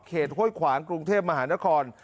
ห้วยขวางกรุงเทพมหานคร